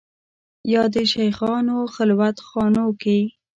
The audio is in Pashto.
یا د شېخانو خلوت خانو کې